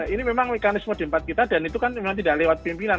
ini memang mekanisme di empat kita dan itu kan memang tidak lewat pimpinan